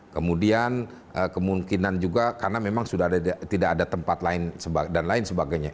kemudian kemungkinan juga karena memang sudah tidak ada tempat lain dan lain sebagainya